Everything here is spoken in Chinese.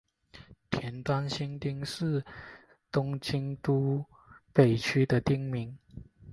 田端新町是东京都北区的町名。